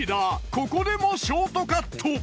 ここでもショートカット！